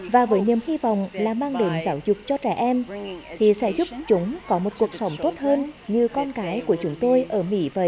và với niềm hy vọng là mang đến giáo dục cho trẻ em thì sẽ giúp chúng có một cuộc sống tốt hơn như con cái của chúng tôi ở mỹ vậy